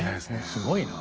すごいな。